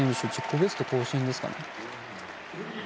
ベスト更新ですかね。